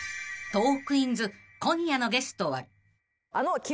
［『トークィーンズ』今夜のゲストは］